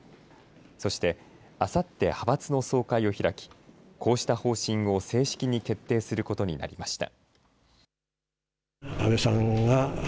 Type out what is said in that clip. そしてあさって派閥の総会を開きこうした方針を正式に決定することになりました。